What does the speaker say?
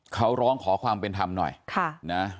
เขาร้องขอความเป็นธรรมหน่อยนะ